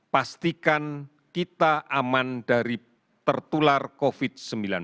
pastikan kita aman dari tertular covid sembilan belas